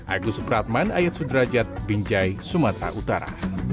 agus pratman ayat sudrajat binjai sumatera utara